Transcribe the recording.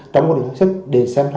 trong hội đồng gắn sức để xem